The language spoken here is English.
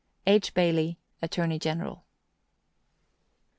H. BAILEY, Attorney general.